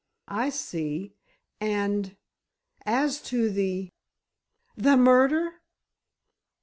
"I see. And—as to the——" "The murder?"